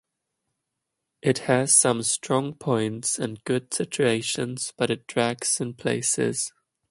It has some strong points and good situations, but it drags in places.